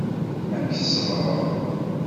Amek tṣebbreḍ?